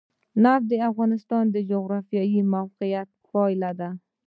نفت د افغانستان د جغرافیایي موقیعت پایله ده.